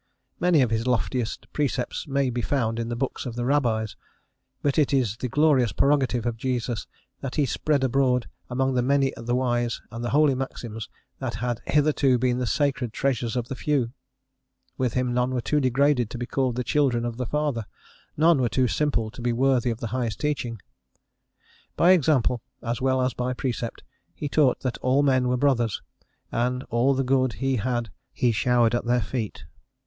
Many of his loftiest precepts may be found in the books of the Rabbis, but it is the glorious prerogative of Jesus that he spread abroad among the many the wise and holy maxims that had hitherto been the sacred treasures of the few. With him none were too degraded to be called the children of the Father: none too simple to be worthy of the highest teaching. By example, as well as by precept, he taught that all men were brothers, and all the good he had he showered at their feet.